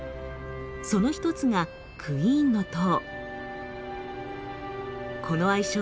その一つがクイーンの塔。